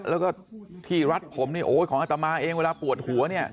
แล้วก็ที่รัดผมของอัตมาเองเวลาผัวหัว